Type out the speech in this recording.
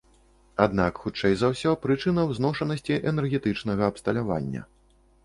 Але хутчэй за ўсё прычына ў зношанасці энергетычнага абсталявання.